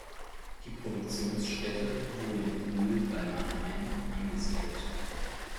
Die Produktionsstätte wurde in Brühl bei Mannheim angesiedelt.